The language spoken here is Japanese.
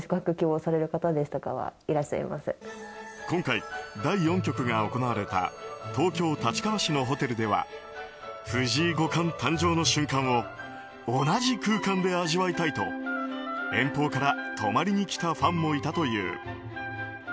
今回、第４局が行われた東京・立川市のホテルでは藤井五冠誕生の瞬間を同じ空間で味わいたいと遠方から泊まりに来たファンもいたという。